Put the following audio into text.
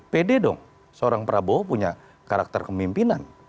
pede dong seorang prabowo punya karakter kemimpinan